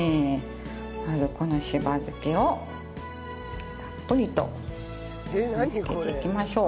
まずこのしば漬けをたっぷりと盛り付けていきましょう。